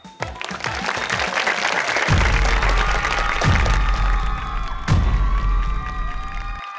พร้อม